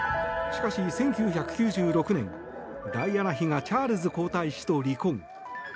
しかし、１９９６年ダイアナ妃がチャールズ皇太子と離婚。